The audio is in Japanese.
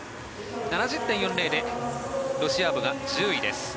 ７０．４０でロシアーボが１０位です。